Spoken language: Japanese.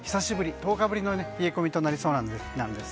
久しぶり、１０日ぶりの冷え込みとなりそうなんです。